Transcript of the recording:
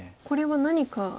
これは何か。